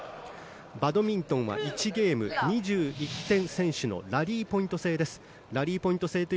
バドミントンは１ゲーム２１点先取のラリーポイント制です。